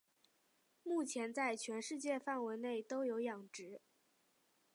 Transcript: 目前在全世界范围内都有养殖。